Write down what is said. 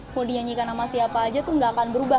mau dinyanyikan sama siapa aja tuh gak akan berubah